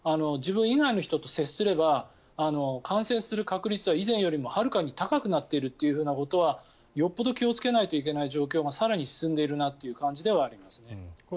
自分以外の人と接すれば感染する確率は以前よりも、はるかに高くなっているということはよっぽど気をつけないといけない状況が更に進んでいる感じではあります。